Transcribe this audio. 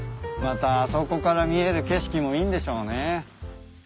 またあそこから見える景色もいいんでしょうね。